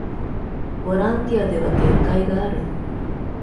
ボランティアでは限界がある